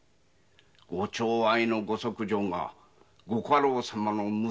ごちょう愛のご側女がご家老様の娘